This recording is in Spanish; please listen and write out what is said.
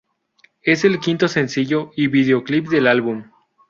Es el quinto sencillo y videoclip del álbum.